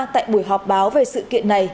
tại buổi họp báo về sự kiện này